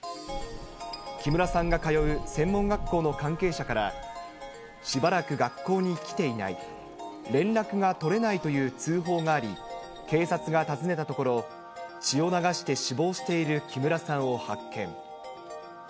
木村さんが通う専門学校の関係者から、しばらく学校に来ていない、連絡が取れないという通報があり、警察が訪ねたところ、血を流して死亡している木村さんを発見。